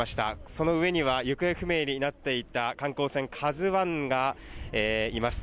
その上には、行方不明になっていた観光船ＫＡＺＵＩがいます。